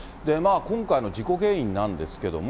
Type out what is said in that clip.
今回の事故原因なんですけども。